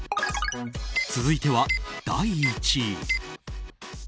続いては第１位。